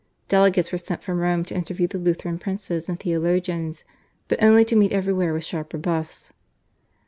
Delegates were sent from Rome to interview the Lutheran princes and theologians, but only to meet everywhere with sharp rebuffs.